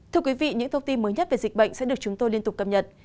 thưa quý vị những thông tin mới nhất về dịch bệnh sẽ được chúng tôi liên tục cập nhật